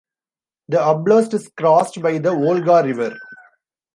The oblast is crossed by the Volga River.